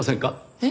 えっ？